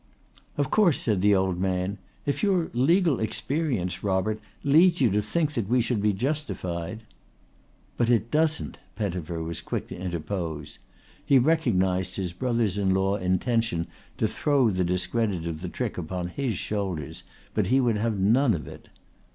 "Of course," said the old man, "if your legal experience, Robert, leads you to think that we should be justified " "But it doesn't," Pettifer was quick to interpose. He recognised his brother in law's intention to throw the discredit of the trick upon his shoulders but he would have none of it.